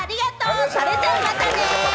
それじゃあまたね！